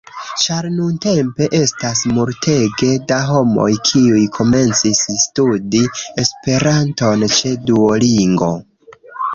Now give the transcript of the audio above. Ĉar nuntempe estas multege da homoj kiuj komencis studi Esperanton ĉe Duolingo